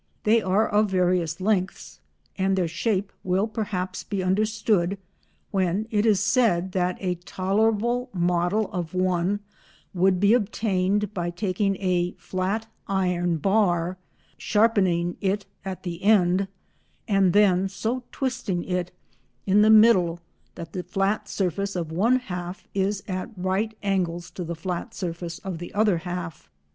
They are of various lengths, and their shape will perhaps be understood when it is said that a tolerable model of one would be obtained by taking a flat iron bar, sharpening it at the end, and then so twisting it in the middle that the flat surface of one half is at right angles to the flat surface of the other half.